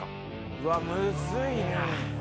うわっむずいな。